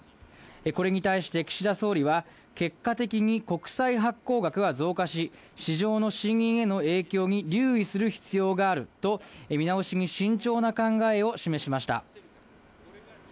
これに対して岸田総理は、結果的に国債発行額は増加し、市場の信認への影響に留意する必要があると、見直しに慎重な考えを示しました。